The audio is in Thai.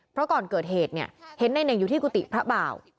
เพราะก่อนเกิดเหตุเนี่ยเห็นในเน่งอยู่ที่กุฏิพระบ่าว